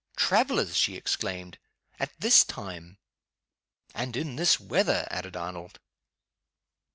"Travelers!" she exclaimed. "At this time!" "And in this weather!" added Arnold.